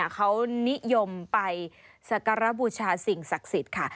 เขานิยมไปสักการบูชาสิ่งศักดิ์สิทธิ์ค่ะ